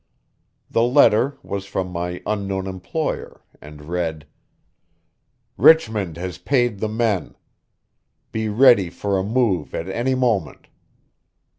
The letter was from my unknown employer, and read: "Richmond has paid the men. Be ready for a move at any moment.